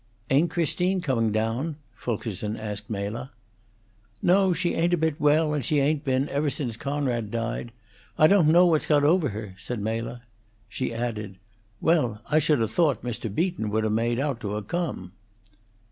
"Ain't Christine coming down?" Fulkerson asked Mela. "No, she ain't a bit well, and she ain't been, ever since Coonrod died. I don't know, what's got over her," said Mela. She added, "Well, I should 'a' thought Mr. Beaton would 'a' made out to 'a' come!"